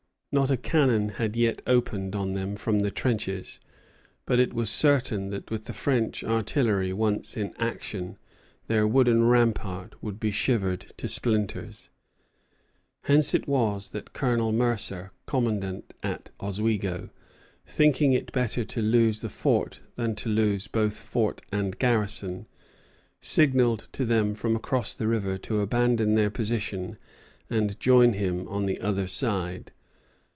Not a cannon had yet opened on them from the trenches; but it was certain that with the French artillery once in action, their wooden rampart would be shivered to splinters. Hence it was that Colonel Mercer, commandant at Oswego, thinking it better to lose the fort than to lose both fort and garrison, signalled to them from across the river to abandon their position and join him on the other side.